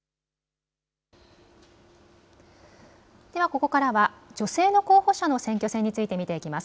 ではここからは女性の候補者の選挙戦について見ていきます。